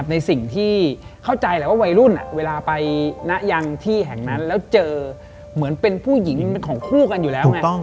ในสิ่งที่เข้าใจแหละว่าวัยรุ่นเวลาไปนะยังที่แห่งนั้นแล้วเจอเหมือนเป็นผู้หญิงเป็นของคู่กันอยู่แล้วไง